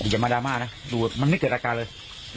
อย่ามาดราม่านะดูมันไม่เกิดอาการเลย